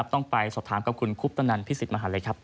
ต้องไปสอบถามกับคุณคุปตนันพิสิทธิมหันเลยครับ